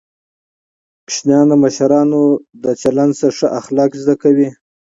ماشومان د مشرانو له چلنده ښه اخلاق زده کوي